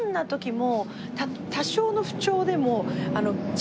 も